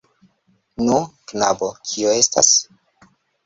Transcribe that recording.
Nu, knabo, kio estas?